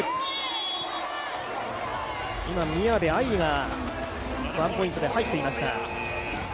今宮部藍梨がワンポイントで入っていました。